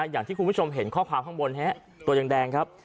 อย่างที่คุณผู้ชมเห็นข้อความข้างบนตัวแดงครับ